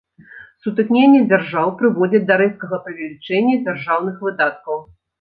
Сутыкненне дзяржаў прыводзяць да рэзкага павелічэння дзяржаўных выдаткаў.